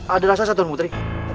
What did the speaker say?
ada raksasa tuan putri